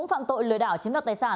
à thế ạ